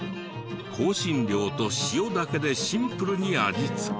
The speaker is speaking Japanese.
香辛料と塩だけでシンプルに味付け。